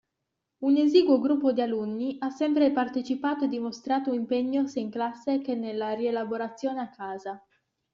Un esiguo gruppo di alunni ha sempre partecipato e dimostrato impegno sia in classe che nella rielaborazione a casa.